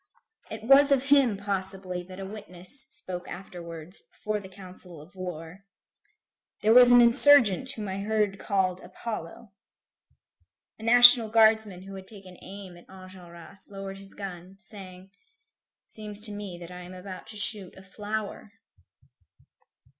It was of him, possibly, that a witness spoke afterwards, before the council of war: "There was an insurgent whom I heard called Apollo." A National Guardsman who had taken aim at Enjolras, lowered his gun, saying: "It seems to me that I am about to shoot a flower."